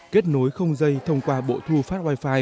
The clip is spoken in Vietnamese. kết nối không dây thông qua bộ thu phát wifi